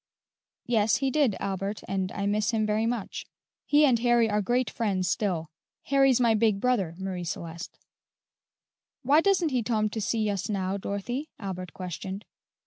"Yes, he did, Albert, and I miss him very much. He and Harry are great friends still. Harry's my big brother, Marie Celeste." "Why doesn't he tom to see us now, Dorothy?" Albert questioned.